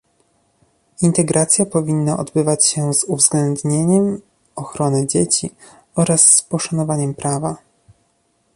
Integracja powinna odbywać się z uwzględnieniem ochrony dzieci oraz z poszanowaniem prawa